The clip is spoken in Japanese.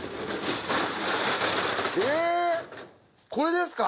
えこれですか？